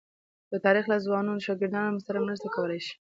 د تاریخ له ځوانو شاګردانو سره مرسته کولای شي.